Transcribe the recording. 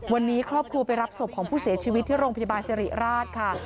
วันนี้ครอบครัวไปรับศพของผู้เสียชีวิตที่โรงพยาบาลสิริราชค่ะ